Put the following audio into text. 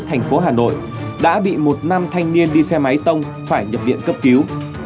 thành phố hà nội đã bị một nam thanh niên đi xe máy tông phải nhập viện cấp cứu